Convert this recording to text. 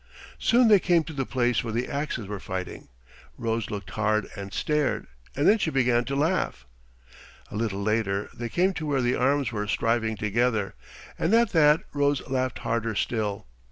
Soon they came to the place where the axes were fighting. Rose looked and stared, and then she began to laugh. A little later they came to where the arms were striving together, and at that Rose laughed harder still.